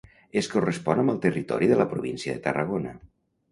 Es correspon amb el territori de la província de Tarragona.